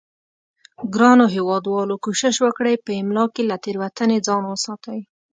ګرانو هیوادوالو کوشش وکړئ په املا کې له تیروتنې ځان وساتئ